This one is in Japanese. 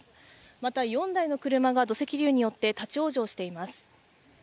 また、４台の車が土石流によって立往生しています。